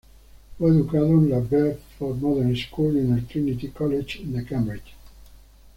Fue educado en la Bedford Modern School, y en la Trinity College, Cambridge.